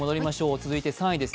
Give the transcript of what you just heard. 続いて３位です。